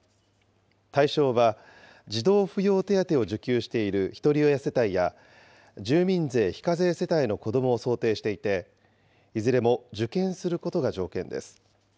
対象は児童扶養手当を受給しているひとり親世帯や、住民税非課税世帯の子どもを想定していて、いずれも受験することが条件です。